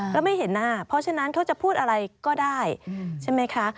แล้วไม่เห็นหน้าเพราะฉะนั้นเขาจะพูดอะไรก็ได้ใช่ไหมคะ